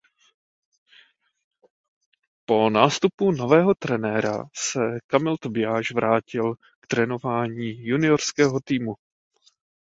Po nástupu nového trenéra se Kamil Tobiáš vrátil k trénování juniorského týmu.